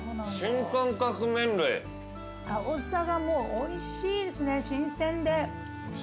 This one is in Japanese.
アオサがもうおいしいですね新鮮で。